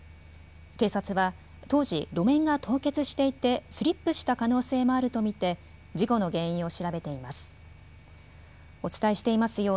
警察は当時、路面が凍結していてスリップした可能性もあると見て事故の原因を調べています。